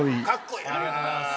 ありがとうございます。